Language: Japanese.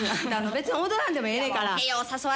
別に踊らんでもええねんから。